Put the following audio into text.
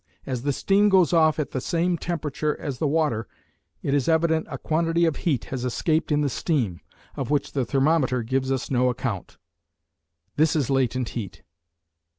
As the steam goes off at the same temperature as the water, it is evident a quantity of heat has escaped in the steam, of which the thermometer gives us no account. This is latent heat.